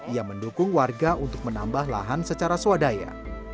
ia mendukung warga untuk menambah lahan secara swadaya